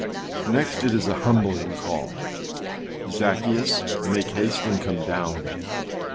â 4. Next, it is a humbling call. âZaccheus, make haste and come down.